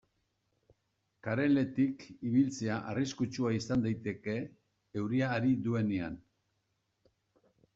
Kareletik ibiltzea arriskutsua izan daiteke euria ari duenean.